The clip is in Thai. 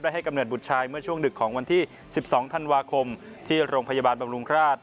ให้กำเนิดบุตรชายเมื่อช่วงดึกของวันที่๑๒ธันวาคมที่โรงพยาบาลบำรุงราช